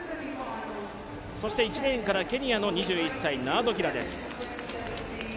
１レーンからケニアの２１歳、ナアドキラです。